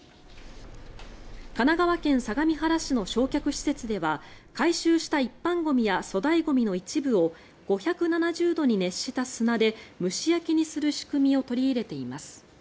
神奈川県相模原市の焼却施設では回収した一般ゴミや粗大ゴミの一部を５７０度に熱した砂で蒸し焼きにする仕組みを取り入れています。